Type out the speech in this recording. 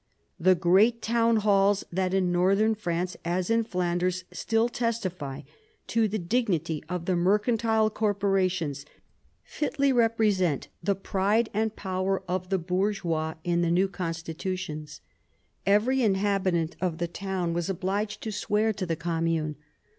The great town halls that in northern France, as in Flanders, still testify to the dignity of the mercantile corporations, fitly represent the pride and power of the bourgeois in the new constitutions. Every inhabitant in the town was obliged to swear to the commune.